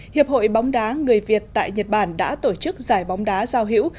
hiệp hội bóng đá người việt tại nhật bản đã tổ chức giải bóng đá giao hữu